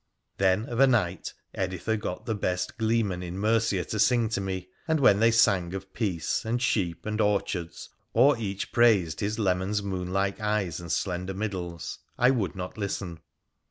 Then, of a night, Editha got the best gleemen in Mercia to sing to me, and when they sang of peace, and sheep and orchards, or each praised his lernan's moonlike eyes and slender middles, I would not listen.